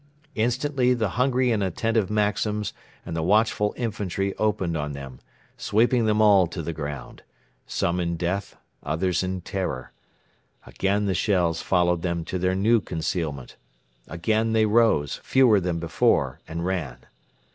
Instantly the hungry and attentive Maxims and the watchful infantry opened on them, sweeping them all to the ground some in death, others in terror. Again the shells followed them to their new concealment. Again they rose, fewer than before, and ran.